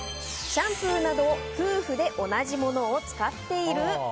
シャンプーなど夫婦で同じモノを使っている？